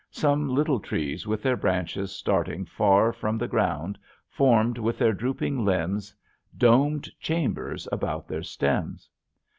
Some little trees with their branches starting far from the ground formed with their drooping limbs domed chambers about their stems.